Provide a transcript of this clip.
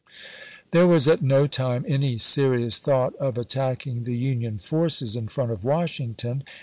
There was at no time any serious thought of at tacking the Union forces in front of Washington.